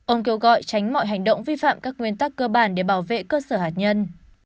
ông kêu gọi tránh mọi hành động vi phạm các nguyên tắc cơ bản để bảo vệ cơ sở hạt nhân